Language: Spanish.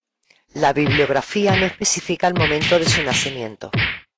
La bibliografía no especifica el momento de su nacimiento.